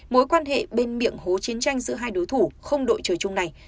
mối quan hệ bên miệng hố chiến tranh giữa hai đối thủ không đội trời chung này